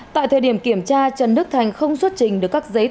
tại thời điểm kiểm tra trần đức thành không xuất trình được các giấy tờ liên hệ